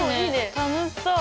楽しそう！